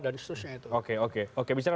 dan seterusnya itu oke oke bicara